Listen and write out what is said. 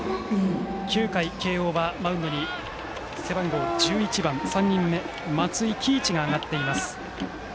９回、慶応はマウンドに背番号１１番３人目松井喜一が上がっています。